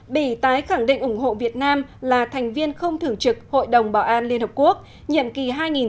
bỉ tái khẳng định ủng hộ việt nam là thành viên không thưởng trực hội đồng bảo an liên hợp quốc nhiệm kỳ hai nghìn hai mươi hai nghìn hai mươi một